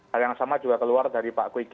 hal yang sama juga keluar dari pak kwika